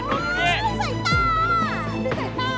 ไม่ใส่ตา